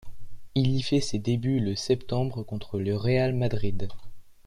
Il y fait ses débuts le septembre contre le Real Madrid.